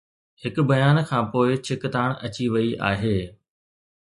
هڪ بيان کانپوءِ ڇڪتاڻ اچي وئي آهي